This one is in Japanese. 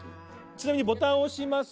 ちなみにボタンを押します。